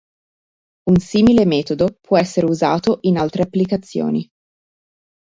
Un simile metodo può essere usato in altre applicazioni.